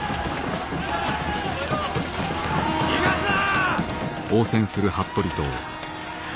逃がすな！